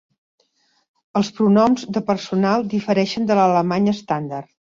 Els pronoms de personal difereixen de l'alemany estàndard.